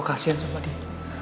gue kasian sama dia